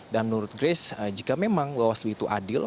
dan menurut grace jika memang wastu itu adil